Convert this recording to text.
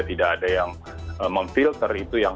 tidak ada yang memfilter itu yang